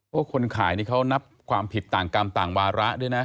เพราะคนขายนี่เขานับความผิดต่างกรรมต่างวาระด้วยนะ